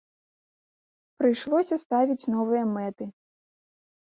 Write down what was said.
Прыйшлося ставіць новыя мэты.